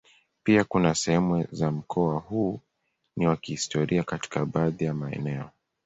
Pia kuna sehemu za mkoa huu ni wa kihistoria katika baadhi ya maeneo.